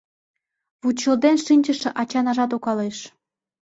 Вучылден шинчыше ачанажат укалеш